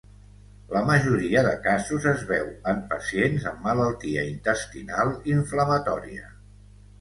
La majoria de casos es veu en pacients amb malaltia intestinal inflamatòria.